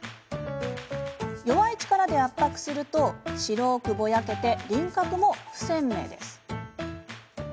弱い力で圧迫すると白くぼやけて輪郭も不鮮明。